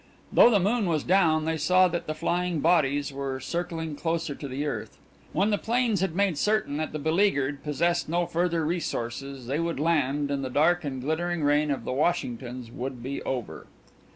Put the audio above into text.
Though the moon was down, they saw that the flying bodies were circling closer to the earth. When the planes had made certain that the beleaguered possessed no further resources they would land and the dark and glittering reign of the Washingtons would be over.